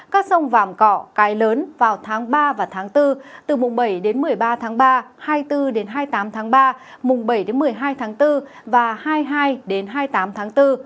các sông vàm cỏ cái lớn vào tháng ba và tháng bốn từ mùng bảy đến một mươi ba tháng ba hai mươi bốn hai mươi tám tháng ba mùng bảy một mươi hai tháng bốn và hai mươi hai hai mươi tám tháng bốn